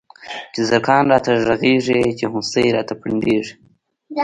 چی زرکان راته غږيږی، چی هوسۍ راته پنډيږی